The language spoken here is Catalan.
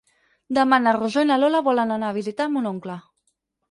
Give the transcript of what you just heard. Demà na Rosó i na Lola volen anar a visitar mon oncle.